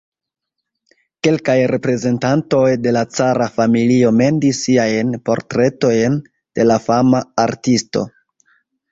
Kelkaj reprezentantoj de la cara familio mendis siajn portretojn de la fama artisto.